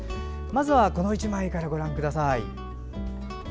まずはこの１枚からご覧ください。